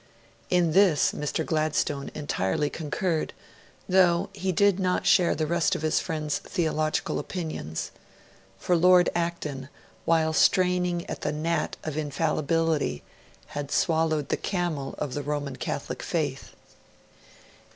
In this Mr. Gladstone entirely concurred, though he did not share the rest of his friend's theological opinions; for Lord Acton, while straining at the gnat of Infallibility, had swallowed the camel of the Roman Catholic Faith.